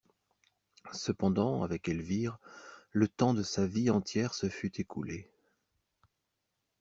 Cependant, avec Elvire, le temps de sa vie entière se fût écoulé.